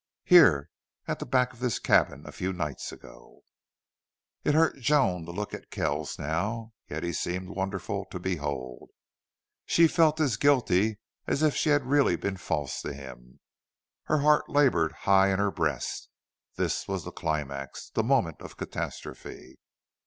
"Here at the back of this cabin a few nights ago." It hurt Joan to look at Kells now, yet he seemed wonderful to behold. She felt as guilty as if she had really been false to him. Her heart labored high in her breast. This was the climax the moment of catastrophe.